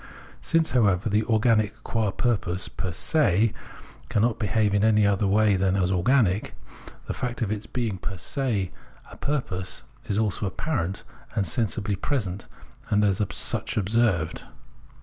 Since, however, the organic qua purpose per se cannot behave in any other way than as organic, the Observation of Organic Nature 253 fact of its being per se a purpose is also apparent and sensibly present, and as such it is observed.